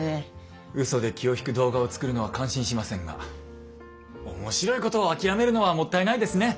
うそで気を引く動画を作るのは感心しませんが面白いことを諦めるのはもったいないですね。